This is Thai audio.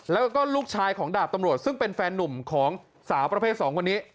แล้วก็ลูกชายของดาบตำรวจซึ่งเป็นแฟนนุ่มของสาวประเภท๒คนนี้